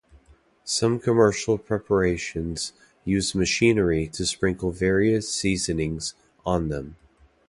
Some commercial preparations use machinery to sprinkle various seasonings on them.